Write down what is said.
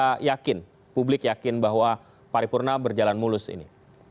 anda yakin publik yakin bahwa paripurna berjalan mulus ini